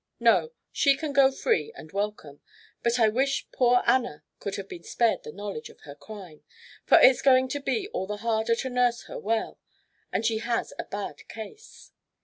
No, she can go free, and welcome, but I wish poor Anna could have been spared the knowledge of her crime, for it's going to be all the harder to nurse her well, and she has a bad case.